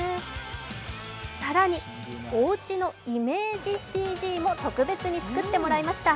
更に、おうちのイメージＣＧも特別に作ってもらいました。